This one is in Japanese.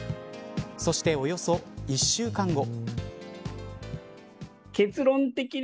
そして、およそ１週間後。